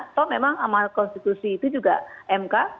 atau memang amal konstitusi itu juga mk